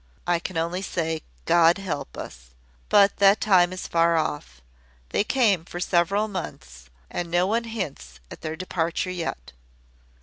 I can only say, `God help us!' But that time is far off. They came for several months, and no one hints at their departure yet.